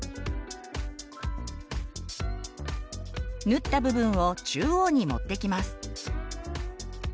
縫った部分を中央に持ってきます。